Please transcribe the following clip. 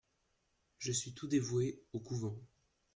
Je suis tout dévoué au couvent.